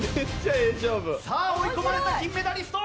さあ追い込まれた金メダリスト。